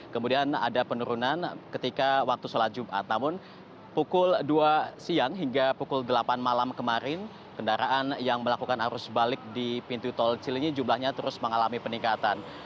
kemudian ada penurunan ketika waktu sholat jumat namun pukul dua siang hingga pukul delapan malam kemarin kendaraan yang melakukan arus balik di pintu tol cilinyi jumlahnya terus mengalami peningkatan